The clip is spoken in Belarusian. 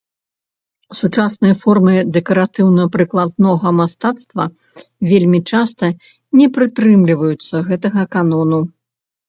Сучасныя формы дэкаратыўна прыкладнога мастацтва вельмі часта не прытрымліваюцца гэтага канону.